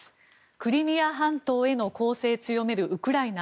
クリミア半島への攻勢強めるウクライナ。